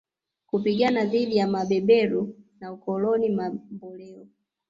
kupigana dhidi ya mabeberu na ukoloni mamboleo